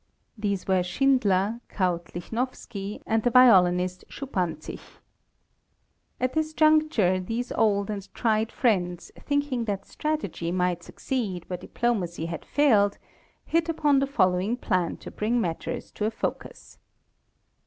These were Schindler, Count Lichnowsky, and the violinist Schuppanzich. At this juncture, these old and tried friends, thinking that strategy might succeed where diplomacy had failed, hit upon the following plan to bring matters to a focus.